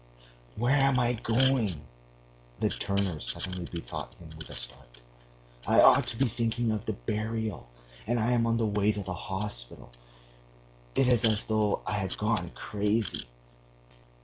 "Where am I going?" the turner suddenly bethought him with a start. "I ought to be thinking of the burial, and I am on the way to the hospital.... It as is though I had gone crazy."